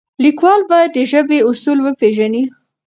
لیکوال باید د ژبې اصول وپیژني.